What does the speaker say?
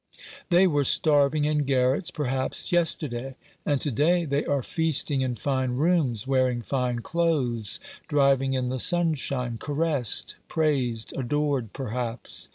They were starving in garrets, perhaps, yesterday — and to day they are feasting in fine rooms, wearing fine clothes, driving in the sunshine, caressed, praised, adored, perhaps.